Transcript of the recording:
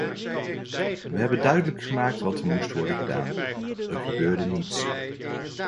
We hebben duidelijk gemaakt wat er moest worden gedaan: er gebeurde niets.